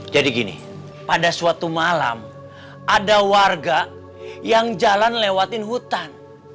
jadi gini pada suatu malam ada warga yang jalan lewatin hutan